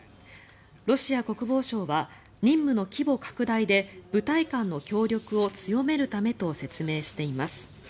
ロシア国防省は任務の規模拡大で部隊間の協力を強めるためと説明しています。